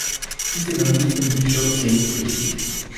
Diese waren nicht dem Bischof zehntpflichtig.